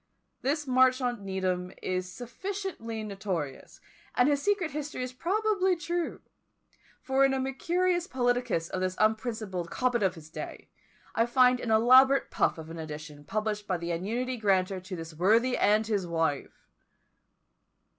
This Marchmont Needham is sufficiently notorious, and his secret history is probably true; for in a Mercurius Politicus of this unprincipled Cobbett of his day, I found an elaborate puff of an edition published by the annuity granter to this worthy and his wife!